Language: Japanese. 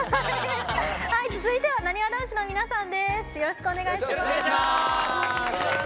続いてはなにわ男子の皆さんです。